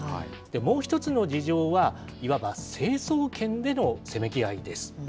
もう１つの事情は、いわば成層圏でのせめぎ合いです。